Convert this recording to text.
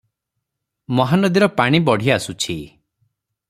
ମହାନଦୀର ପାଣି ବଢ଼ିଆସୁଛି ।